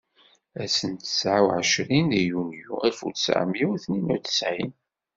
Ass n tesεa u εecrin deg yunyu alef u tesεemya u tnin u tesεin.